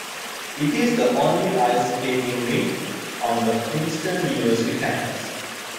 It is the only ice skating rink on the Princeton University campus.